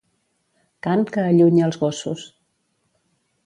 Cant que allunya els gossos.